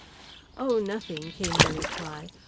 "Oh, nothing," came the reply.